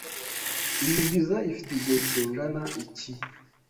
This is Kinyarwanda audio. Iyi viza ifite igihe kingana iki?